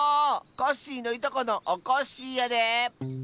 コッシーのいとこのおこっしぃやで。